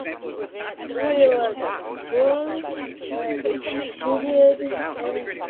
He was born and studied in Turin.